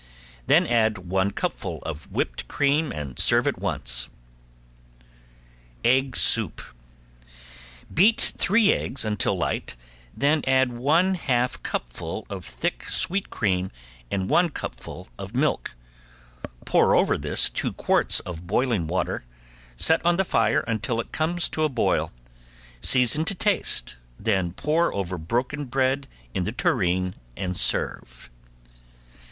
Then add one cupful of whipped cream and serve at once. ~EGG SOUP~ Beat three eggs until light, then add one half cupful of thick sweet cream and one cupful of milk, pour over this two quarts of boiling water, set on the fire until it comes to a boil, season to taste, then pour over broken bread in the tureen and serve.